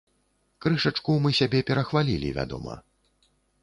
Крышачку мы сябе перахвалілі, вядома.